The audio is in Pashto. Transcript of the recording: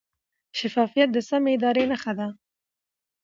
شفافیت د سمې ادارې نښه ده.